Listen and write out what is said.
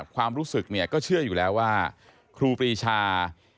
ความรู้สึกเนี่ยก็เชื่ออยู่แล้วว่าครูปรีชา